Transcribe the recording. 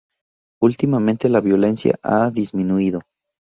Últimamente la violencia ha disminuido.